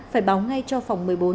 phải báo ngay cho phòng một mươi bốn